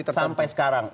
masih sampai sekarang